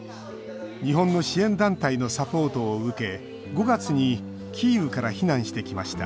日本の支援団体のサポートを受け５月にキーウから避難してきました